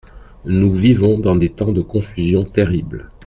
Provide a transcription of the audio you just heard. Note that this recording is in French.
Nous vivons dans des temps de confusion terrible.